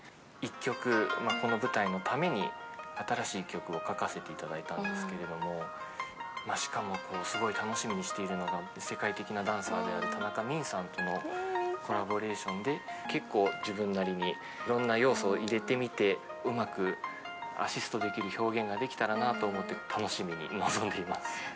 １曲この舞台のために新しい曲を書かせていただいたんですけどしかもすごい楽しみにしているのが世界的なダンサーである田中泯さんとのコラボレーションで結構自分なりにいろんな要素を入れてみてうまくアシストできる表現ができたらなと思って楽しみに臨んでいます。